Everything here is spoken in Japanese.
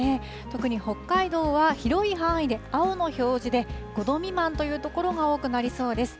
特に北海道は広い範囲で青の表示で、５度未満という所が多くなりそうです。